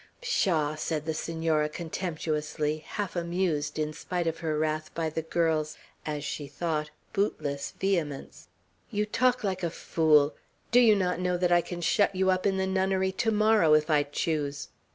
"Pshaw!" said the Senora, contemptuously, half amused, in spite of her wrath, by the girl's, as she thought, bootless vehemence, "you talk like a fool. Do you not know that I can shut you up in the nunnery to morrow, if I choose?"